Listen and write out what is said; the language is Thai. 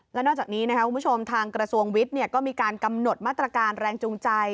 และนอกจากนี้นะครับคุณผู้ชมทางกระทรวงวิทย์ก็มีการกำหนดมาตรการแรงจูงใจ